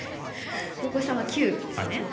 大越さんは９ですね。